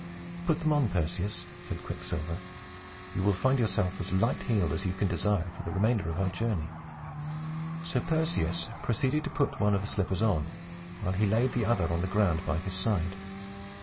"Put them on, Perseus," said Quicksilver. "You will find yourself as light heeled as you can desire for the remainder of our journey." So Perseus proceeded to put one of the slippers on, while he laid the other on the ground by his side.